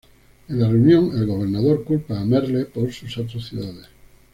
En la reunión, El Gobernador culpa a Merle por sus atrocidades.